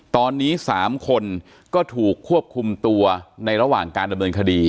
ตอนนี้๓คนก็ถูกควบคุมตัวในระหว่างการดำเนินคดี